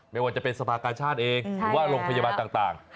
ไม่ว่าจะเป็นสภากาชาติเองหรือว่าโรงพยาบาลต่าง